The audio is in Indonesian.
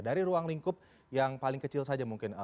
dari ruang lingkup yang paling kecil saja mungkin